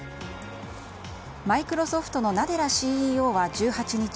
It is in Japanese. マイクロソフトのナデラＣＥＯは１８日